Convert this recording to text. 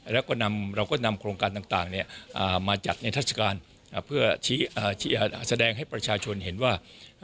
แล้วก็นำโครงการต่างมาจัดนิทัศกาลเพื่อแสดงให้ประชาชนเห็นว่า